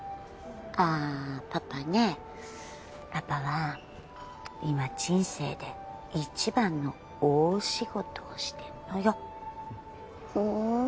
あぁパパねパパは今人生でいちばんの大仕事をしてんのよ！ふん。